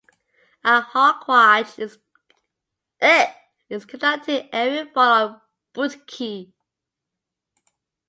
A hawkwatch is conducted every fall on Boot Key.